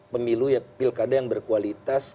pemilu pilkada yang berkualitas